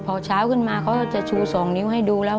พอเช้าขึ้นมาเขาจะชู๒นิ้วให้ดูแล้ว